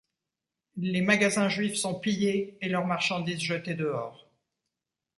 Les magasins juifs sont pillés et leur marchandise jetée dehors.